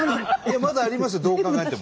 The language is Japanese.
まだありますよどう考えても。